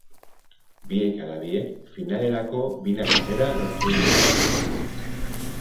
Biek ala biek finalerako bina sarrera lortu dituzte.